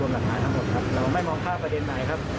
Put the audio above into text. เราไม่มองภาพประเด็นไหนครับ